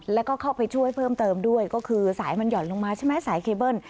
แล้วก็เข้าไปช่วยเพิ่มเติมด้วยก็คือสายมันหย่อนลงมาใช่ไหมสายเคเบิ้ล